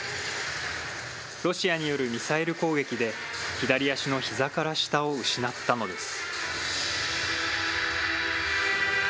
ロシアによるミサイル攻撃で、左足のひざから下を失ったのです。